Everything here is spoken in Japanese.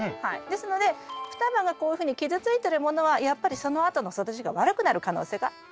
ですので双葉がこういうふうに傷ついてるものはやっぱりそのあとの育ちが悪くなる可能性が高いです。